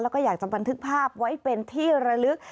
แล้วก็อยากจะบันทึกภาพไว้เป็นที่ระลึก